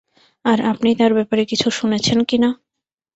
আর আপনি তার ব্যাপারে কিছু শুনেছেন কিনা?